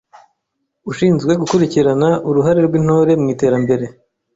Ushinzwe gukurikirana uruhare rw’Intore mu iterambere.